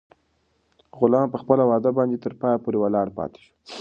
غلام په خپله وعده باندې تر پایه پورې ولاړ پاتې شو.